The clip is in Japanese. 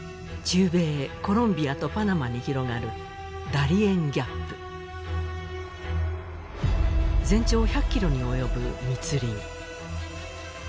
中米コロンビアとパナマに広がる全長１００キロに及ぶ密林